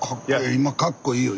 今かっこいいよ。